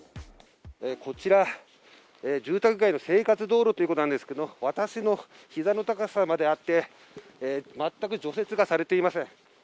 こちら住宅街の生活道路ということですが、私の膝の高さまであって全く除雪がされていません。